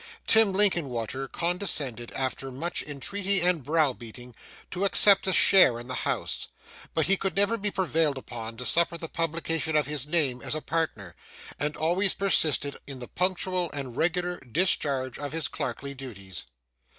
Tim Linkinwater condescended, after much entreaty and brow beating, to accept a share in the house; but he could never be prevailed upon to suffer the publication of his name as a partner, and always persisted in the punctual and regular discharge of his clerkly duties.